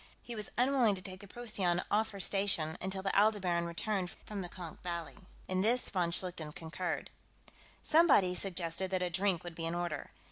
He was unwilling to take the Procyon off her station until the Aldebaran returned from the Konk Valley. In this, von Schlichten concurred. Somebody suggested that a drink would be in order.